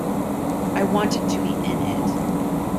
I wanted to be in it".